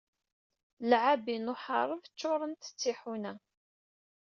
Lɛabi n uḥaṛeb ccuṛent tiḥuna.